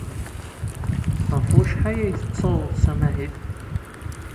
Ɣef wacḥal ay tettawḍeḍ s amahil?